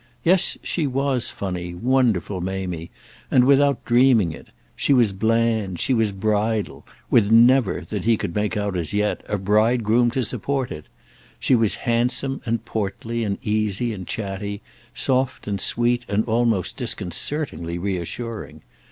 Yes, she was funny, wonderful Mamie, and without dreaming it; she was bland, she was bridal—with never, that he could make out as yet, a bridegroom to support it; she was handsome and portly and easy and chatty, soft and sweet and almost disconcertingly reassuring.